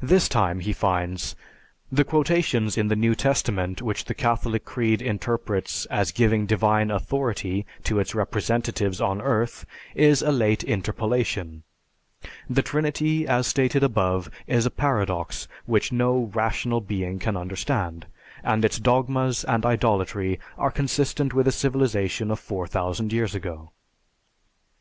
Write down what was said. This time he finds: The quotations in the New Testament which the Catholic creed interprets as giving divine authority to its representatives on earth is a late interpolation; the Trinity as stated above is a paradox which no rational being can understand, and its dogmas and idolatry are consistent with a civilization of 4000 years ago.